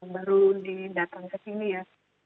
baru didatang ke sini ya